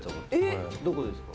どこですか？